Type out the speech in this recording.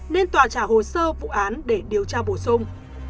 nên tòa trả hồ sơ vụ án để điều tra bổ sung